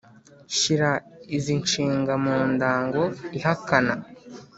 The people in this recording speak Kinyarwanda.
Shyira izi nshinga mu ndango ihakana